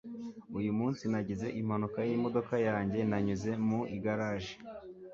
Uyu munsi nagize mpanuka y'imodoka yanjye nanyuze mu garage.